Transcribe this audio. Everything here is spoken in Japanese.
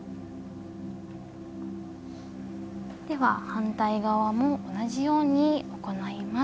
では、反対側も同じように行います。